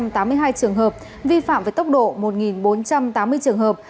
tám trăm tám mươi hai trường hợp vi phạm về tốc độ một bốn trăm tám mươi trường hợp